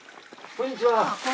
こんにちは。